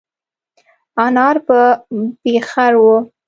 انار په پېخر وه.